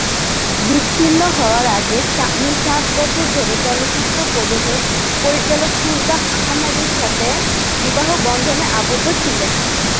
বিচ্ছিন্ন হওয়ার আগে শাম্মী সাত বছর ধরে চলচ্চিত্র প্রযোজক পরিচালক সুলতান আহমেদের সাথে বিবাহ বন্ধনে আবদ্ধ ছিলেন।